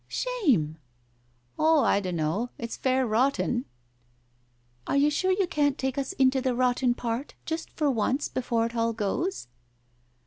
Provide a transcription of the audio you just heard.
"Shame!" "Oh, I dunno. It's fair rotten." "Are you sure you can't take us into the rotten part — just for once before it all goes